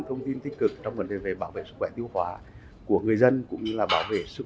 thông tin tích cực trong vấn đề về bảo vệ sức khỏe tiêu hóa của người dân cũng như là bảo vệ sức